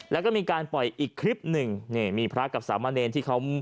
แล้วก็มีการปล่อยอีกคลิปหนึ่งนี่มีพระกับสามะเนรที่เขา